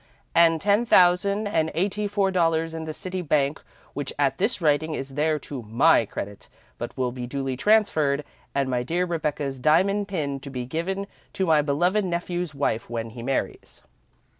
"And the ten thousand and eighty four dollars in the City Bank which at this writing is there to my credit, but will be duly transferred, and my dear Rebecca's diamond pin to be given to my beloved nephew's wife when he marries.